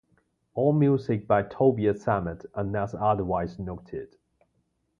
All music by Tobias Sammet unless otherwise noted.